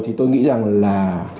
thì tôi nghĩ rằng là